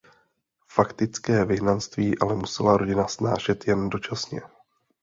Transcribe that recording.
Faktické vyhnanství ale musela rodina snášet jen dočasně.